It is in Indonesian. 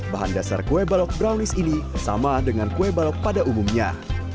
bahan dasar kue balok brownies ini sama dengan kue balok pada umumnya